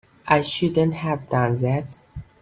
I shouldn't have done that.